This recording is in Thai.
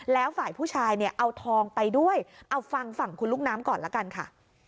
แล้วฝ่ายผู้ชายเนี่ยเอาทองไปด้วยเอาฟังฝั่งคุณลูกน้ำก่อนละกันค่ะ